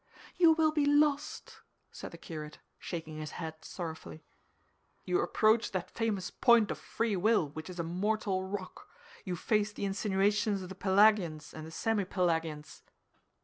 "You will be lost," said the curate, shaking his head sorrowfully. "You approach that famous point of free will which is a mortal rock. You face the insinuations of the Pelagians and the semi Pelagians."